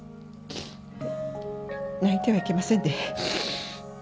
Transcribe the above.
泣いてはいけませんね。